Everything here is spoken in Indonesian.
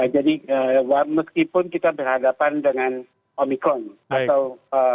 jadi meskipun kita berhadapan dengan omikron atau